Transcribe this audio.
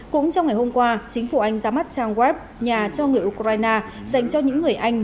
cũng trong ngày hôm qua chính phủ anh ra mắt trang web nhà cho người ukraine dành cho những người anh